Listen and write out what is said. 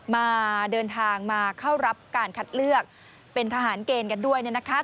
มาเดินทางมาเข้ารับการคัดเลือกเป็นทหารเกณฑ์กันด้วยเนี่ยนะคะ